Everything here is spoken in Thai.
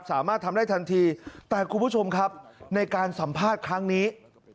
สามารถทำได้ทันทีแต่คุณผู้ชมครับในการสัมภาษณ์ครั้งนี้